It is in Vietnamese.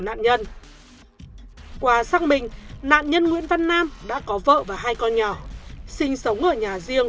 tỉnh bình phước qua xác minh nạn nhân nguyễn văn nam đã có vợ và hai con nhỏ sinh sống ở nhà riêng